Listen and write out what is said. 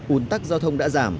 ún tắc giao thông đã giảm